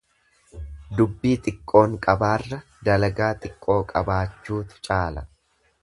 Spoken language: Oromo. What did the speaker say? Dubbii guddoon qabaarra dalagaa xiqqoo qabaachuutu caala.